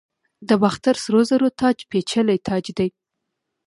د باختر سرو زرو تاج پیچلی تاج دی